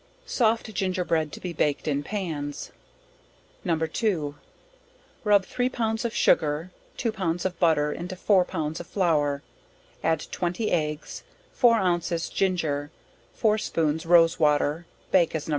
Soft Gingerbread to be baked in pans. No. 2. Rub three pounds of sugar, two pounds of butter, into four pounds of flour, add 20 eggs, 4 ounces ginger, 4 spoons rose water, bake as No.